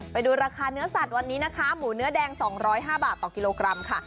ไปดูราคาเนื้อสัตว์วันนี้นะคะหมูเนื้อแดง๒๐๕บาทต่อกิโลกรัมค่ะ